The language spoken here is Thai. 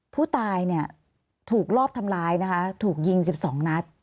ผู้ตายเนี่ยถูกรอบทำร้ายนะคะถูกยิง๑๒นัด